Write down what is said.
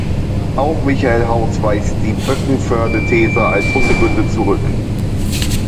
Auch Michael Haus weist die Böckenförde-These als unbegründet zurück.